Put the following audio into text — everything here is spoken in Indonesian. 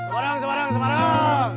semarang semarang semarang